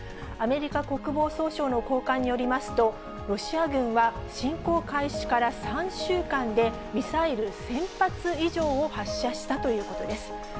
アメリカ国防総省の高官によりますと、ロシア軍は侵攻開始から３週間で、ミサイル１０００発以上を発射したということです。